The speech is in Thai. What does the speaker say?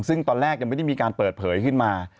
ซึ่งตอนแรกยังไม่ได้มีการเปิดเผยขึ้นมา